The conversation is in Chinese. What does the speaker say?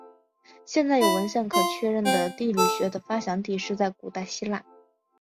现在有文献可确认的地理学的发祥地是在古代希腊。